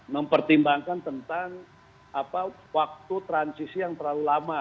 mempertimbangkan tentang waktu transisi yang terlalu lama